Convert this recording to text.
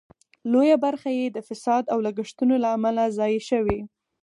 لویه برخه یې د فساد او لګښتونو له امله ضایع شوې.